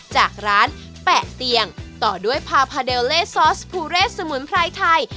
จากร้านแปะเตียงต่อด้วยพาพาเดลเล่ซอสพูเรสสมุนไพรไทย